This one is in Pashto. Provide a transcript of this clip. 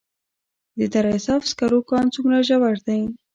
د دره صوف سکرو کان څومره ژور دی؟